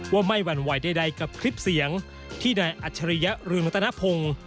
ว่าไม่หวั่นไหวใดกับคลิปเสียงที่นายอัจฉริยะเรืองรัตนพงศ์